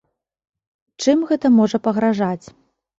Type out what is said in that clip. Чым гэта можа пагражаць?